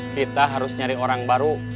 kita harus nyari orang baru